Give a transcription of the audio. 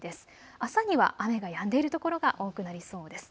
朝には雨がやんでいる所が多くなりそうです。